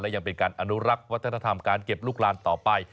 ยังเป็นการอนุรักษ์วัฒนธรรมการเก็บลูกลานต่อไป